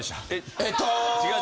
えっと。